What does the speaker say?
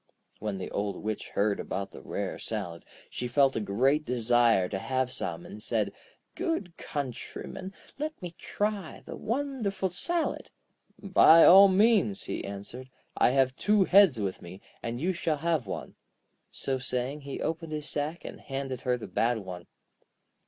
When the Old Witch heard about the rare salad, she felt a great desire to have some, and said: 'Good countryman, let me try the wonderful salad!' 'By all means,' he answered. 'I have two heads with me, and you shall have one.' So saying, he opened his sack, and handed her the bad one.